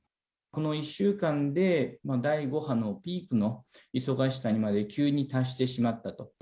この１週間で、第５波のピークの忙しさにまで急に達してしまったと。